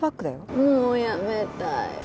もう辞めたい。